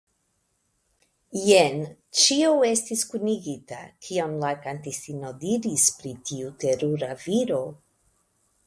jen ĉio estis kunigita, kion la kantistino diris pri tiu terura viro.